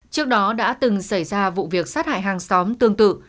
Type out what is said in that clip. trước đó đã từng xảy ra vụ việc sát hại hàng xóm tương tự